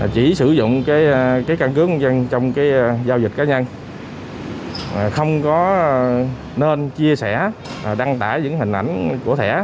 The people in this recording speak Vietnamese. chỉ sử dụng cái căn cứ công dân trong cái giao dịch cá nhân không có nên chia sẻ đăng tải những hình ảnh của thẻ